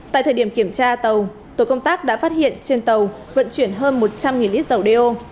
tại thời điểm kiểm tra tàu tổ công tác đã phát hiện trên tàu vận chuyển hơn một trăm linh lít dầu đeo